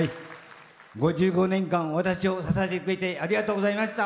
５５年間、私を支えてくれてありがとうございました。